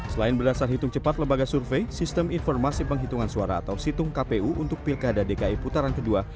selain berdasar hitung cepat lembaga survei sistem informasi penghitungan suara atau situng kpu untuk pilkada dki putaran kedua